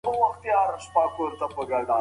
د واک ځواک يې د خدمت وسيله ګڼله.